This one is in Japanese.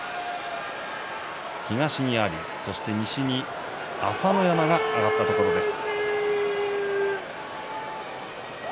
東に阿炎西に朝乃山が上がったところです。